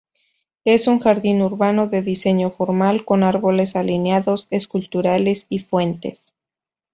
Es un jardín urbano de diseño formal, con árboles alineados, esculturas y fuentes.